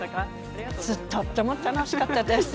とても楽しかったです。